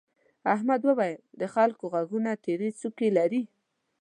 احمد وويل: د خلکو غوږونه تيرې څوکې لري.